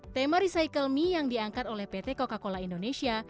tema recycle me yang diangkat oleh pt coca cola indonesia